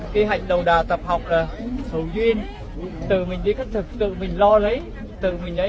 cái hành đầu đà tập học là hữu duyên tự mình đi các thực tự mình lo lấy tự mình lấy